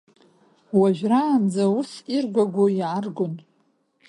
Уажәраанӡа ус иргәагәо иааргон…